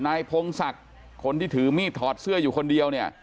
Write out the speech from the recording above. พงศักดิ์คนที่ถือมีดถอดเสื้ออยู่คนเดียวเนี่ย